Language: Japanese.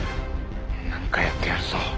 何かやってやるぞ。